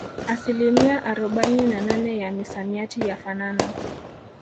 Asilimia arobaini na nane ya misamiati yafanana